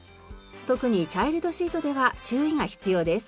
特にチャイルドシートでは注意が必要です。